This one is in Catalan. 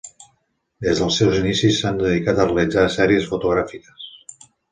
Des dels seus inicis s'han dedicat a realitzar sèries fotogràfiques.